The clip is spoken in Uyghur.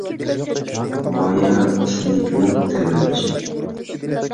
ماياتنىكنىڭ تەۋرىنىشى